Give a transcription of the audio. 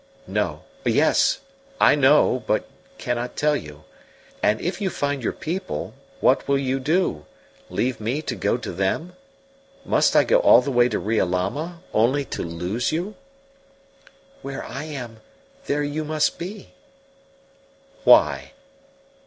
"No; yes I know, but cannot tell you. And if you find your people, what will you do leave me to go to them? Must I go all the way to Riolama only to lose you?" "Where I am, there you must be." "Why?"